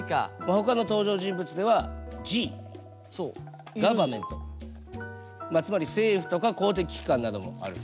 ほかの登場人物ではＧガバメントつまり政府とか公的機関などもある。